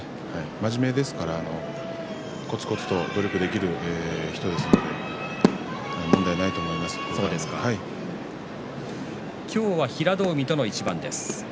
真面目ですからこつこつと努力できる人ですので今日は平戸海との一番です。